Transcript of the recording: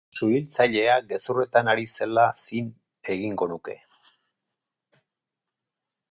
Suhiltzailea gezurretan ari zela zin egingo nuke.